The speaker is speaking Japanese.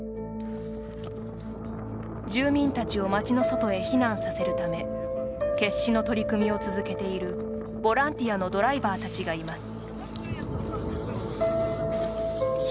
住民たちを街の外へ避難させるため決死の取り組みを続けているボランティアのドライバーたちがいます。